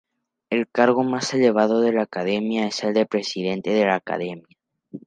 El cargo más elevado de la Academia es el de "Presidente de la Academia".